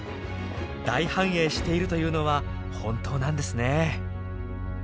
大繁栄しているというのは本当なんですね。